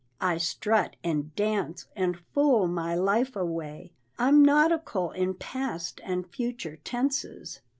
I strut and dance, and fool my life away; I'm nautical in past and future tenses!